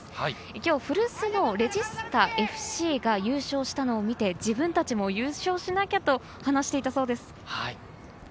今日、古巣のレジスタＦＣが優勝したのを見て自分たちも優勝しなきゃと話していたそうです。